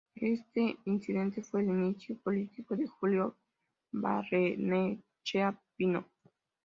Este incidente fue el inicio político de Julio Barrenechea Pino.